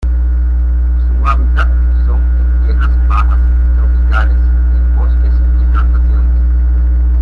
Su hábitat son las tierras bajas tropicales, en bosques y plantaciones.